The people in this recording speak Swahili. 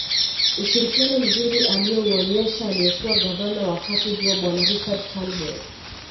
Ushirikiano mzuri aliouonyesha aliyekuwa gavana wa wakati huo bwana Richard Turnbull